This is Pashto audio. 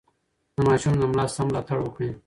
د ماشوم د ملا سم ملاتړ وکړئ.